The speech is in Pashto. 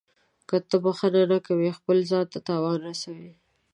• که ته بښنه نه کوې، خپل ځان ته تاوان رسوې.